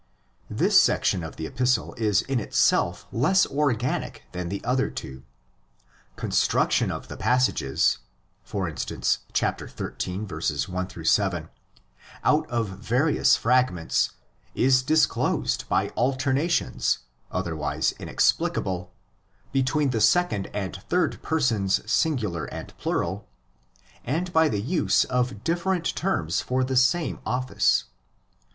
This section of the Epistle is in itself less organic than the other two. Construction of passages (e.g., ΧΙ]. 1 7) out of various fragments is disclosed by alternations, otherwise inexplicable, between the second and third persons singular and plural, and by the use of different terms for the same office (διάκονος, ΧΙ].